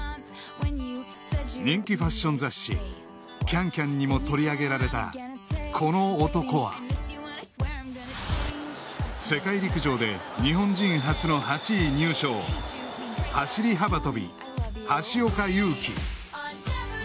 人気ファッション雑誌「ＣａｎＣａｍ」にも取り上げられたこの男は世界陸上で日本人初の８位入賞走幅跳橋岡優輝